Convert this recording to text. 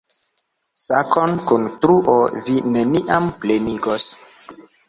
Sakon kun truo vi neniam plenigos.